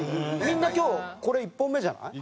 みんな今日これ１本目じゃない？